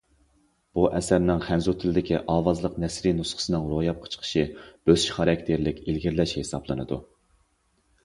بۇ ئەسەرنىڭ خەنزۇ تىلىدىكى ئاۋازلىق نەسرىي نۇسخىسىنىڭ روياپقا چىقىشى بۆسۈش خاراكتېرلىك ئىلگىرىلەش ھېسابلىنىدۇ.